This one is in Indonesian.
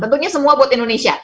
tentunya semua buat indonesia